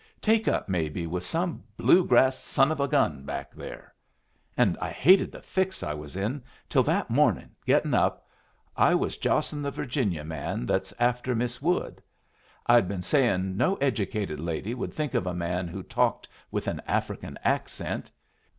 Take up, maybe, with some Blue grass son of a gun back there? And I hated the fix I was in till that morning, getting up, I was joshin' the Virginia man that's after Miss Wood. I'd been sayin' no educated lady would think of a man who talked with an African accent.